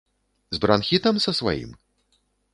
З бранхітам са сваім?